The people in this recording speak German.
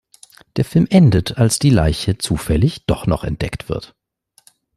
Der Film endet, als die Leiche zufällig doch noch entdeckt wird.